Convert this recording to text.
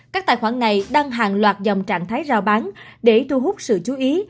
các tài khoản này đăng hàng loạt dòng trạng thái rao bán để thu hút sự chú ý